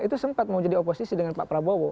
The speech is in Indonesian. itu sempat mau jadi oposisi dengan pak prabowo